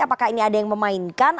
apakah ini ada yang memainkan